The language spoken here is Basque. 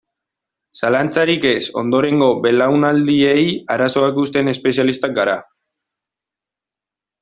Zalantzarik ez, ondorengo belaunaldiei arazoak uzten espezialistak gara.